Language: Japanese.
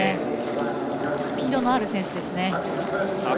スピードのある選手です。